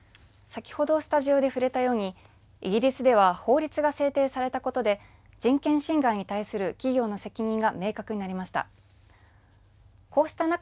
先ほどスタジオで触れたように、イギリスでは法律が制定されたことで人権侵害に対する、企業の責任が明確になりました。